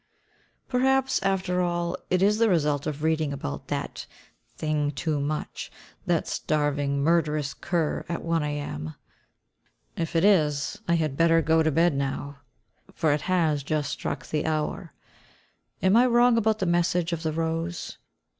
Perhaps, after all, it is the result of reading about that "Thing too much," that starving, murderous cur, at 1 A.M.; if it is, I had better go to bed now, for it has just struck the hour. Am I wrong about the message of the rose?